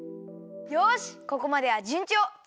よしここまではじゅんちょう！